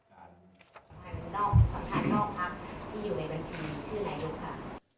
สำคัญนอกพักษณ์ที่อยู่ในบัญชีชื่อไหนล่ะครับ